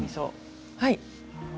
はい。